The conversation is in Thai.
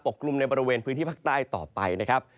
กลุ่มในบริเวณพื้นที่ภาคใต้ต่อไปนะครับ